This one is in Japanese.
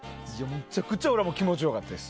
めちゃくちゃ気持ちよかったです。